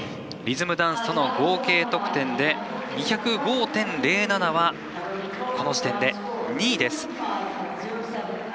リズムダンスとの合計得点で２０５．０７はこの時点で２位です。